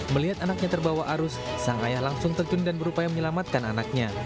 melihat anaknya terbawa arus sang ayah langsung terjun dan berupaya menyelamatkan anaknya